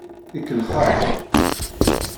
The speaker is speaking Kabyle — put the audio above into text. Ikellex-aɣ.